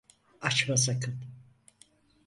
Açma sakın.